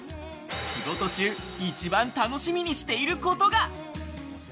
仕事中、一番楽しみにしていることが。